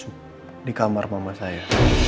datu kamu kel gerade ke rumah saya